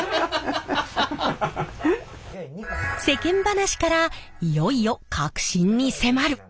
世間話からいよいよ核心に迫る！